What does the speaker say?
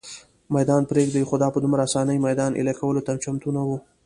مېدان پرېږدي، خو دا په دومره آسانۍ مېدان اېله کولو ته چمتو نه وه.